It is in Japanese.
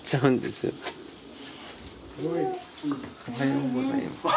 おはようございます。